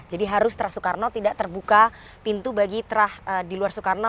jadi harus teras soekarno tidak terbuka pintu bagi teras di luar soekarno